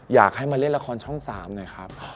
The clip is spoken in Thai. อยากให้มาเล่นละครช่อง๓หน่อยครับ